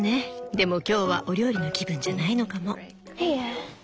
でも今日はお料理の気分じゃないのかも。